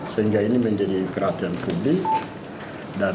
sehingga ini menjadi kerasa